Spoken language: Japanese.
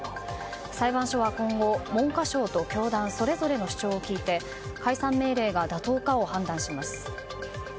裁判所は今後、文科省と教団それぞれの主張を聞いて解散命令が妥当かを判断します。